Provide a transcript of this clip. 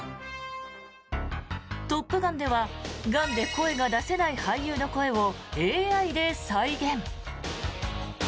「トップガン」ではがんで声が出せない俳優の声をＡＩで再現。